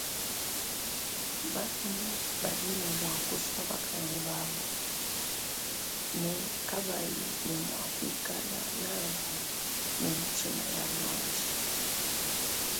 Balume badi ne bua kusua bakaji babu ne kabayi ne mua kuikala nabu ne mitshima ya lonji.